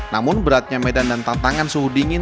namun beratnya medan dan tantangan suhu dingin